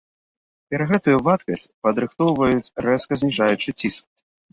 Перагрэтую вадкасць падрыхтоўваюць рэзка зніжаючы ціск.